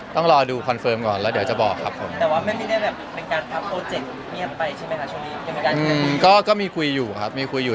แสวได้ไงของเราก็เชียนนักอยู่ค่ะเป็นผู้ร่วมงานที่ดีมาก